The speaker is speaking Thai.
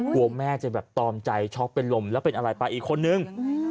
กลัวแม่จะตอมใจช็อกเป็นลมแล้วเป็นอะไรป่ะอีกคนนึง